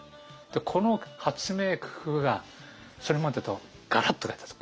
この発明工夫がそれまでとガラッと変えたんです。